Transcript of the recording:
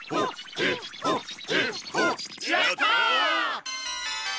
やった！